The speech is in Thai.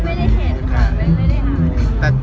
ไม่ได้เห็นค่ะ